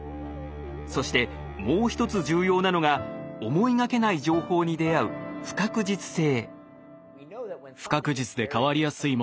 そしてもう一つ重要なのが思いがけない情報に出会うあ。